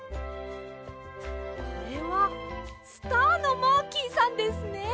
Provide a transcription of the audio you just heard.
これはスターのマーキーさんですね。